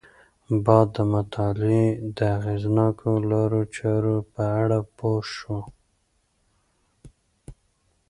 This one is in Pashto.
باید د مطالعې د اغیزناکو لارو چارو په اړه پوه شو.